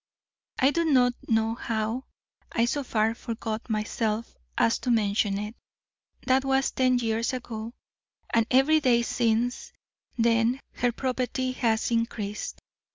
I do not know how I so far forgot myself as to mention it.' That was ten years ago, and every day since then her property has increased.